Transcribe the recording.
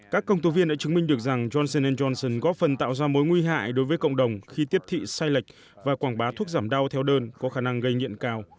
các công tố viên đã chứng minh được rằng johnson johnson góp phần tạo ra mối nguy hại đối với cộng đồng khi tiếp thị sai lệch và quảng bá thuốc giảm đau theo đơn có khả năng gây nghiện cao